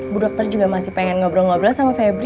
bu dokter juga masih pengen ngobrol ngobrol sama febri